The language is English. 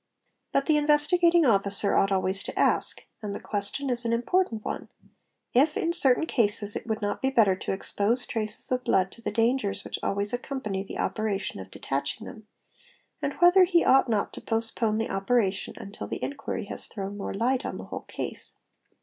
||. But the Investigating Officer ought always to ask, and the question is an important one, if, in certain cases, it would not be better not to expose traces of blood to the dangers which always accompany the operation of detaching them, and whether he ought not to postpone the operation until the inquiry has thrown more light on the whole case.